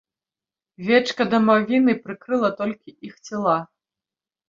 Вечка дамавіны прыкрыла толькі іх цела.